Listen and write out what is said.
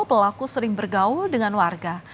pelaku sering bergaul dengan warga